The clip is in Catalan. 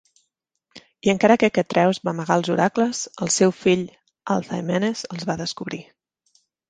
I encara que Catreus va amagar els oracles, el seu fill Althaemenes els va descobrir.